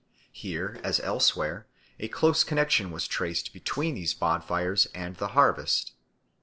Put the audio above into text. Here, as elsewhere, a close connexion was traced between these bonfires and the harvest.